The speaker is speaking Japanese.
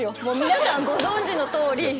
もう皆さんご存じのとおり。